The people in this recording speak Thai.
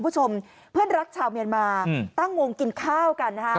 ผู้ชมเพื่อนรักชาวเมียนมาตั้งโงงกินข้าวกัน